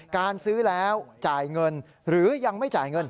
การซื้อแล้วจ่ายเงินหรือยังไม่จ่ายเงิน